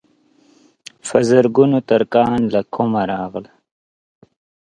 په زرګونو ترکان له کومه راغلل.